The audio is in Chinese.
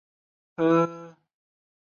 后来曾重修三次。